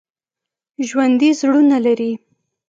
ژوندي زړونه لري